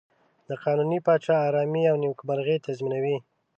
د قانوني پاچا آرامي او نېکمرغي تضمینوي.